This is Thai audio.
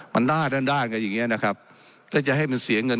มันหน้าด้านด้านกันอย่างนี้นะครับแล้วจะให้มันเสียเงิน